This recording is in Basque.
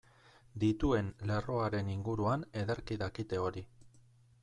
Dituen lerroaren inguruan ederki dakite hori.